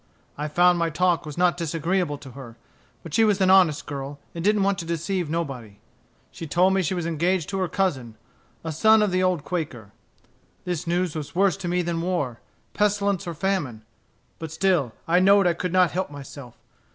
"I found my talk was not disagreeable to her. But she was an honest girl, and didn't want to deceive nobody. She told me she was engaged to her cousin, a son of the old Quaker. This news was worse to me than war, pestilence, or famine. But still I know'd I could not help myself.